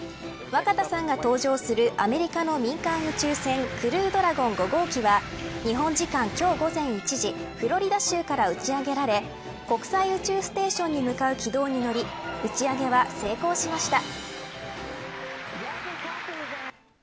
若田さんが搭乗するアメリカの民間宇宙船クルードラゴン５号機は日本時間今日午前１時フロリダ州から打ち上げられ国際宇宙ステーションに向かう軌道に乗り打ち上げは成功しました。